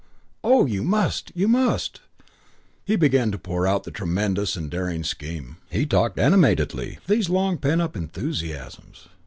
"Oh, you must! You must!" He began to pour out the tremendous and daring scheme. VI He talked animatedly, these long pent up enthusiasms.